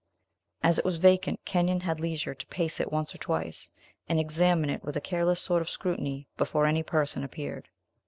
As it was vacant, Kenyon had leisure to pace it once or twice, and examine it with a careless sort of scrutiny, before any person appeared.